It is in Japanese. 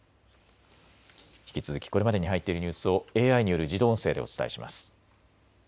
引き続きこれまでに入っているニュースをＡＩによる自動音声でお伝えします。